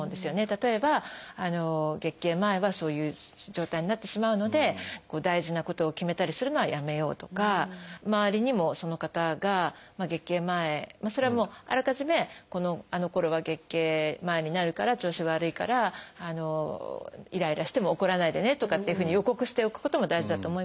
例えば月経前はそういう状態になってしまうので大事なことを決めたりするのはやめようとか周りにもその方が月経前それはもうあらかじめあのころは月経前になるから調子が悪いからイライラしても怒らないでねとかっていうふうに予告しておくことも大事だと思いますし。